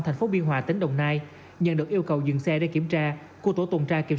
thành phố biên hòa tỉnh đồng nai nhận được yêu cầu dừng xe để kiểm tra của tổ tuần tra kiểm